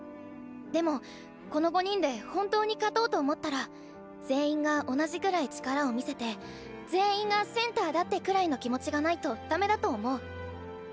でもこの５人で本当に勝とうと思ったら全員が同じぐらい力を見せて全員がセンターだってくらいの気持ちがないとダメだと思う。